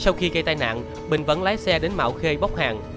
sau khi gây tai nạn bình vẫn lái xe đến mạo khê bốc hàng